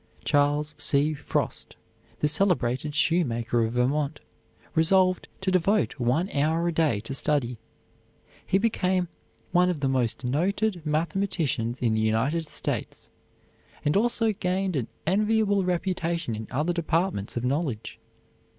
Charles C. Frost, the celebrated shoemaker of Vermont, resolved to devote one hour a day to study. He became one of the most noted mathematicians in the United States, and also gained an enviable reputation in other departments of knowledge.